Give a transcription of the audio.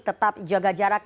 tetap jaga jarak